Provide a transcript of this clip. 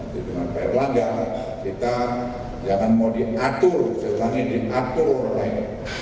dengan pak erlangga kita jangan mau diatur tetapi diatur orang lain